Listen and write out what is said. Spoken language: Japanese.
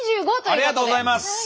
ありがとうございます！